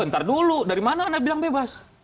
bentar dulu dari mana anda bilang bebas